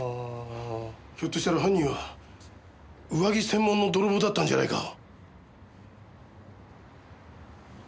ひょっとしたら犯人は上着専門の泥棒だったんじゃないか？